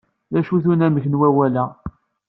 D acu-t unamek n wawal-a?